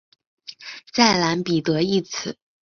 在蓝彼得一词。